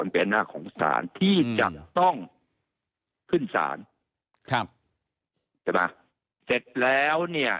อันเป็นอำนาจของสารที่จำต้องขึ้นสารครับเสร็จแล้วเนี่ย